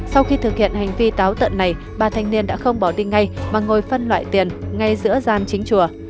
sau khi thực hiện hành vi táo tận này ba thanh niên đã không bỏ đi ngay mà ngồi phân loại tiền ngay giữa gian chính chùa